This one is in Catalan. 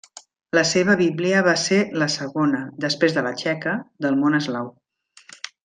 La seva Bíblia va ser la segona, després de la txeca, del món eslau.